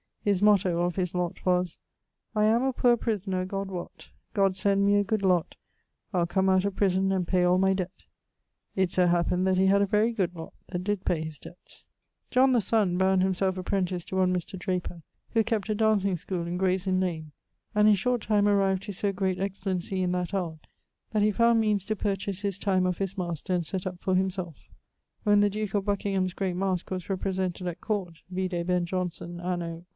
His motto (of his lott) was, 'I am a poor prisoner, God wott, God send me a good lott, I'le come out of prison, and pay all my debt.' It so happened that he had a very good lott, that did pay his debts. John (the son) bound himselfe apprentice to one Mr. Draper, who kept a dancing schoole in Grayes Inne Lane, and in short time arrived to so great excellency in that art, that he found meanes to purchase his time of his master and sett up for himselfe. When the duke of Buckingham's great masque was represented at court (vide Ben Jonson), anno